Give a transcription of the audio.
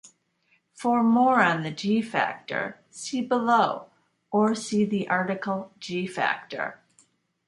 For more on the g-factor, see below, or see the article g-factor.